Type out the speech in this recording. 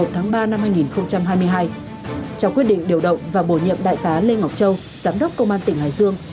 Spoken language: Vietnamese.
trong quyết định điều động và bổ nhiệm đại tá lê ngọc châu giám đốc công an tỉnh hải dương